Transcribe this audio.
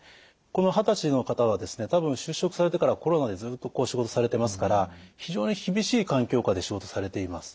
この二十歳の方はですね多分就職されてからコロナでずっと仕事されてますから非常に厳しい環境下で仕事されています。